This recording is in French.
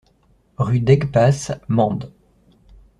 Rue d'Aigues Passes, Mende